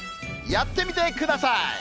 やってみてください！